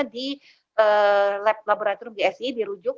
di lab laboratorium gsi di rujuk